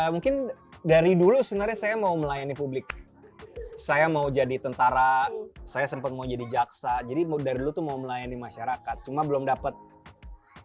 mungkin dari dulu sebenarnya saya mau melayani publik saya mau jadi tentara saya sempet mau jadi jaksa jadi dari dulu tuh mau melayani masyarakat cuma belum dapat keretanya aja kebetulan begitu ada complicated